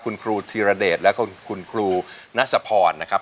คุณครูธีรเดชและคุณครูนัสพรนะครับ